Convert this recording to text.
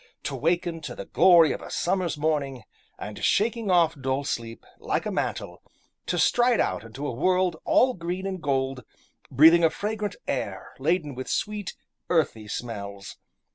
To waken to the glory of a summer's morning, and shaking off dull sleep, like a mantle, to stride out into a world all green and gold, breathing a fragrant air laden with sweet, earthy smells.